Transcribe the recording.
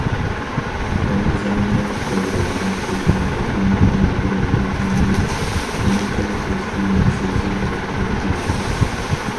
ئەينى زاماندا كۇچا رايونىنىڭ قول سانائىتى ناھايىتى راۋاجلانغان بولۇپ، تۆمۈرچىلىك كەسپى مىسلىسىز دەرىجىدە گۈللەنگەن.